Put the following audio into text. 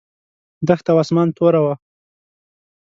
دښته او اسمان توره وه.